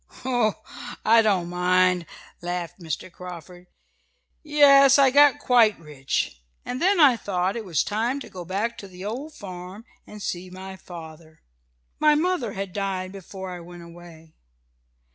"Oh, I don't mind!" laughed Mr. Carford "Yes, I got quite rich, and then I thought it was time to go back to the old farm, and see my father. My mother had died before I went away.